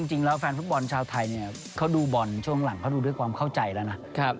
จริงแล้วแฟนฟุตบอลชาวไทยเขาดูบอนช่วงหลังด้วยความเข้าใจนะ